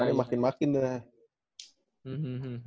makanya makin makin deh